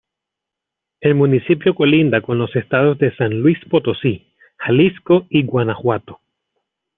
El municipio colinda con los estados de San Luis Potosí, Jalisco y Guanajuato.